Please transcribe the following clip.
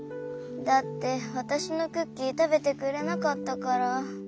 だってわたしのクッキーたべてくれなかったから。